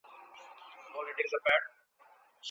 د مننې خط لیکل د ښو اړیکو د ساتلو لاره ده.